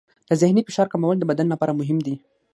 د ذهني فشار کمول د بدن لپاره مهم دي.